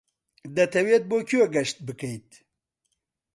دەتەوێت بۆ کوێ گەشت بکەیت؟